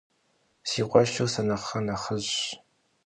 Si khueşşır se nexhre nexhıjş.